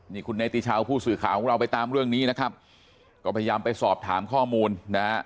นี่คุณเนติชาวผู้สื่อข่าวของเราไปตามเรื่องนี้นะครับก็พยายามไปสอบถามข้อมูลนะฮะ